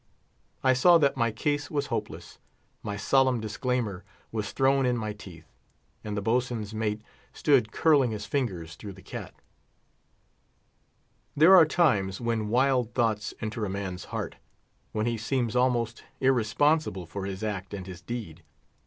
I saw that my case was hopeless; my solemn disclaimer was thrown in my teeth, and the boatswain's mate stood curling his fingers through the cat. There are times when wild thoughts enter a man's heart, when he seems almost irresponsible for his act and his deed.